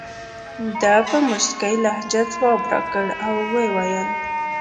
ده په موسکۍ لهجه ځواب راکړ او وویل.